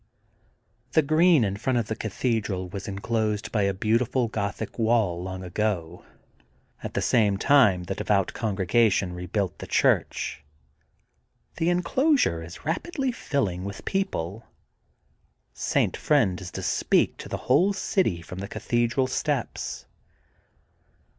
The green in front of the Cathedral was enclosed by a beautiful Gothic wall long ago, at the same time the devout congregation rebuilt the church. The enclosure is rapidly fiUing with people. St. Friend is to speak to the whole city from the Cathedral steps.